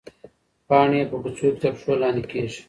پاڼې په کوڅو کې تر پښو لاندې کېږي.